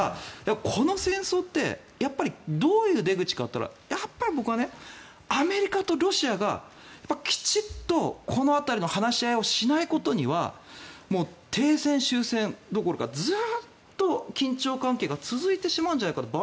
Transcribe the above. この戦争ってどういう出口かといったらやっぱり僕はアメリカとロシアがきちんとこの辺りの話し合いをしないことには停戦、終戦どころかずっと緊張関係が続いてしまうんじゃないかと。